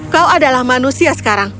kau adalah manusia sekarang